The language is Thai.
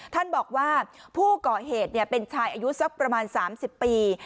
ท่านบอกว่าผู้ก่อเหตุเป็นชายอายุสักประมาณ๓๐ปี